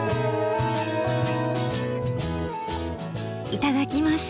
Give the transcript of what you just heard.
いただきます。